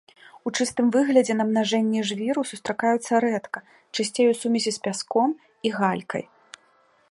У чыстым выглядзе намнажэнні жвіру сустракаюцца рэдка, часцей у сумесі з пяском і галькай.